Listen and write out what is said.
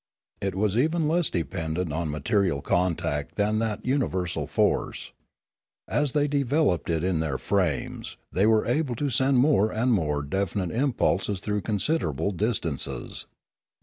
It was even less dependent on material con tact than that universal force. As they developed it in their frames, they were able to send more and more definite impulses through considerable distances.